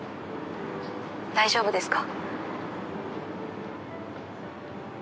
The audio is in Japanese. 大丈夫ですか？